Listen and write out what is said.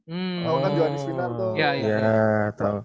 awalnya kan johanis winar tuh